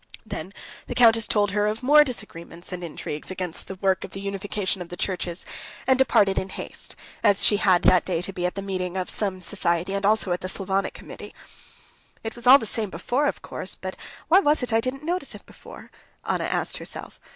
Then the countess told her of more disagreements and intrigues against the work of the unification of the churches, and departed in haste, as she had that day to be at the meeting of some society and also at the Slavonic committee. "It was all the same before, of course; but why was it I didn't notice it before?" Anna asked herself.